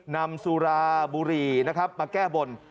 นำสุราบุหรี่นะครับมาแก้บน